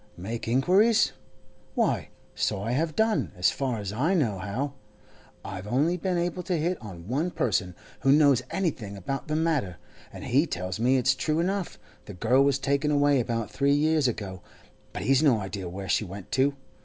Make inquiries? Why, so I have done, as far as I know how. I've only been able to hit on one person who knows anything about the matter, and he tells me it's true enough the girl was taken away about three years ago, but he's no idea where she went to.